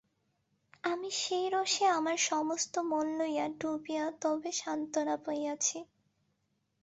আমি সেই রসে আমার সমস্ত মন লইয়া ডুবিয়া তবে সান্ত্বনা পাইয়াছি।